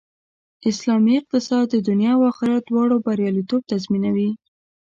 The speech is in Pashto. اسلامي اقتصاد د دنیا او آخرت دواړو بریالیتوب تضمینوي